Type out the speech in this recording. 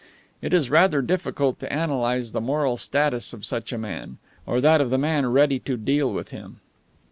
It is rather difficult to analyze the moral status of such a man, or that of the man ready to deal with him.